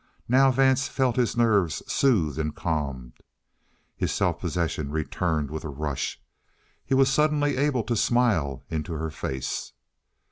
Now Vance felt his nerves soothed and calmed. His self possession returned with a rush. He was suddenly able to smile into her face.